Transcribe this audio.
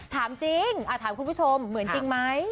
ถามจริงถามคุณผู้ชมเหมือนจริงไหม